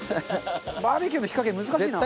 バーベキューの火加減難しいな。